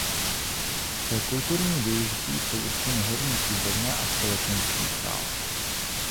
Pro kulturní vyžití jsou určeny Horní klubovna a společenský sál.